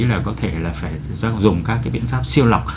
là có thể là phải dùng các cái biện pháp siêu lọc